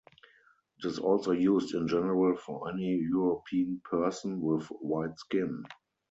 It is also used in general for any European person with white skin.